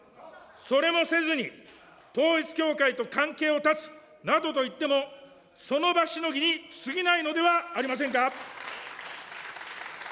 それもせずに、統一教会と関係を断つなどと言っても、その場しのぎにすぎないのではありませんか。